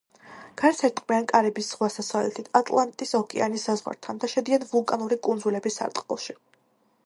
გარს ერტყმიან კარიბის ზღვას დასავლეთით, ატლანტის ოკეანის საზღვართან და შედიან ვულკანური კუნძულების სარტყელში.